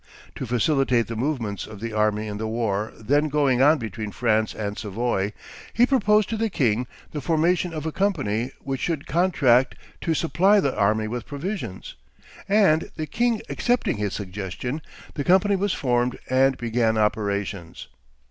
To facilitate the movements of the army in the war then going on between France and Savoy, he proposed to the king the formation of a company which should contract to supply the army with provisions; and, the king accepting his suggestion, the company was formed, and began operations.